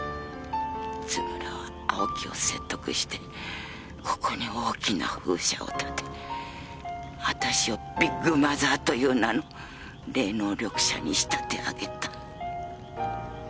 津村は青木を説得してここに大きな風車を建て私をビッグマザーという名の霊能力者に仕立て上げた。